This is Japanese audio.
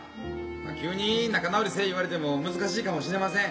急に仲直りせぇ言われても難しいかもしれません。